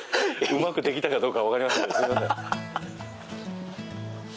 うまくできたかどうかわかりませんがすみません。